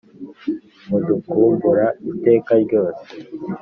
mudukumbura iteka ryose